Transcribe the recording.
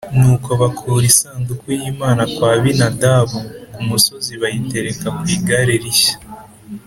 Nuko bakura isanduku y’Imana kwa Abinadabu ku musozi bayitereka ku igare rishya